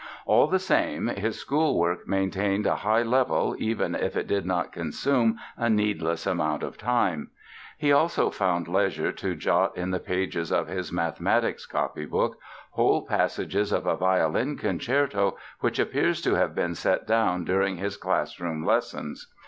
All the same his school work maintained a high level, even if it did not consume a needless amount of time. He also found leisure to jot in the pages of his mathematics copybook whole passages of a violin concerto which appears to have been set down during his classroom lessons.